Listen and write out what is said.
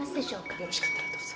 よろしかったらどうぞ。